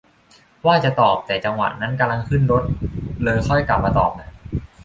ว่าจะตอบ แต่จังหวะนั้นกำลังขึ้นรถ เลยค่อยกลับมาตอบน่ะ